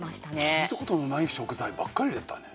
聞いたことのない食材ばっかりだったね。